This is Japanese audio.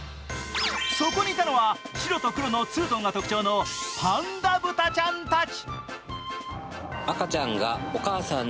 そこにいたのは白と黒のツートンが特徴のパンダ豚ちゃんたち。